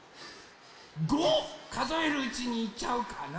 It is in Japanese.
５かぞえるうちにいっちゃうかな？